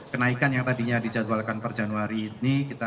kenaikan yang tadinya dijadwalkan per januari ini